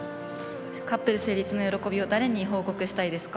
カップル成立の喜びを誰に報告したいですか？